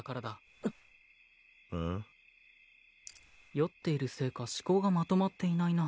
酔っているせいか思考がまとまっていないな。